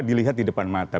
dilihat di depan mata